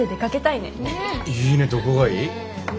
いいねどこがいい？